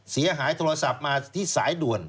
เสียหายโทรศัพท์มาที่สายด่วน